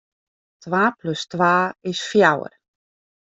Twa plus twa is fjouwer.